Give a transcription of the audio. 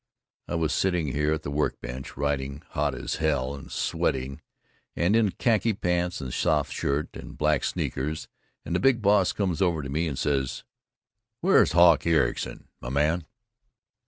I was sitting here at the work bench, writing, hot as hell and sweaty and in khaki pants and soft shirt and black sneakers, and the Big Boss comes over to me and says, "Where is Hawk Ericson, my man."